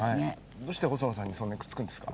どうして細野さんにそんなにくっつくんですか？